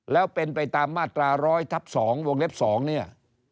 แล้วเป็นไปตามมาตรา๑๐๐ทับ๒วงเล็บ๒เนี่ย